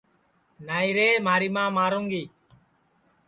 نائی رے مھاری ماں ماروں گی